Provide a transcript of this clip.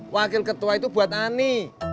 wakil ketua itu buat ani